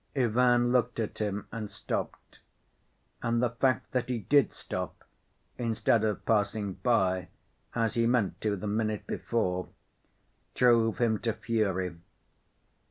Ivan looked at him and stopped, and the fact that he did stop, instead of passing by, as he meant to the minute before, drove him to fury.